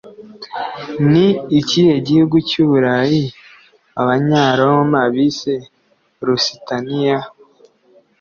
Ni ikihe gihugu cy'Uburayi Abanyaroma bise Lusitania?